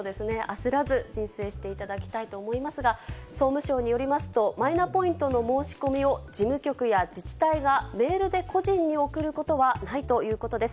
焦らず申請していただきたいと思いますが、総務省によりますと、マイナポイントの申し込みを事務局や自治体がメールで個人に送ることはないということです。